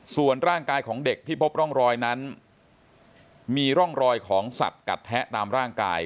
ส่วนร่างกายของเด็กที่พบร่องรอยนั้นมีร่องรอยของสัตว์กัดแทะตามร่างกาย